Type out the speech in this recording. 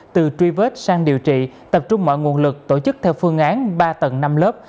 từ truy vết sang điều trị tập trung mọi nguồn lực tổ chức theo phương án ba tầng năm lớp